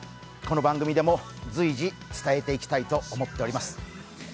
この番組でも随時伝えていきたいと思っています。